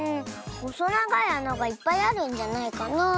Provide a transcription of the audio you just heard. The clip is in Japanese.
ほそながいあながいっぱいあるんじゃないかなあって。